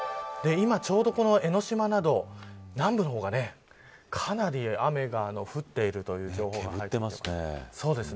今ちょうどこの江の島など南部の方がかなり雨が降っているという情報が入っています。